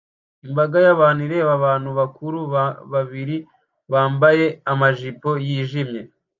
Imbaga y'abantu ireba abantu bakuru babiri bambaye amajipo yijimye